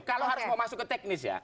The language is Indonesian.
kalau harus mau masuk ke teknis ya